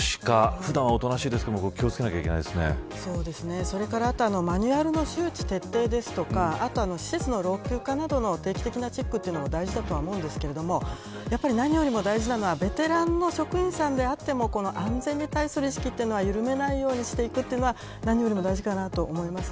普段おとなしいですけどそうですね、それからマニュアルの周知徹底ですとか施設の老朽化などの定期的なチェックも大事だと思うんですけれども何よりも大事なのはベテランの職員さんであっても安全に対する意識はゆるめないようにしていくというのは何よりも大事かなと思います。